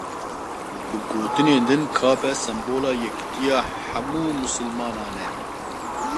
Bi gotinên din Kabe sembola yekîtiya hemû misilmanan e.